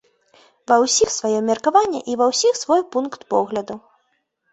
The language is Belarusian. Ва ўсіх сваё меркаванне і ва ўсіх свой пункт погляду.